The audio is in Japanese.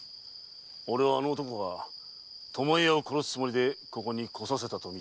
俺はあの男が巴屋を殺すつもりでここに来させたと見ている。